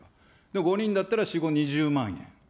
５人だったら４・５、２０万円。